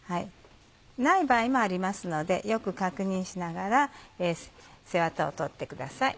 ない場合もありますのでよく確認しながら背ワタを取ってください。